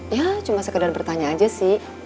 ya cuma sekedar bertanya aja sih